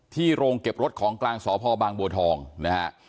โรงเก็บรถของกลางสพบางบัวทองนะฮะ